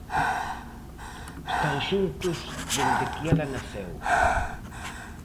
Están xuntos dende que ela naceu.